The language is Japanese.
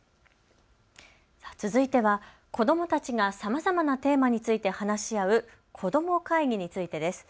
続いては子どもたちがさまざまなテーマについて話し合う子ども会議についてです。